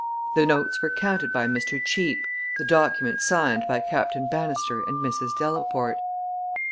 The notes were counted by Mr. Cheape, the document signed by Captain Bannister and Mrs. Delaporte.